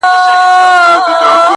راوړم سکروټې تر دې لویي بنگلي پوري.